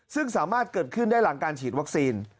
ซึ่งสามารถเกิดขึ้นได้หลังการฉีดวัคซีน